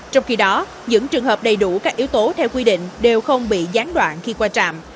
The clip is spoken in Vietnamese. trong khi đó những trường hợp đầy đủ các yếu tố theo quy định đều không bị gián đoạn khi qua trạm